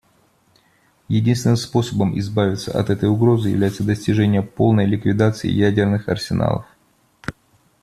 Единственным способом избавиться от этой угрозы является достижение полной ликвидации ядерных арсеналов.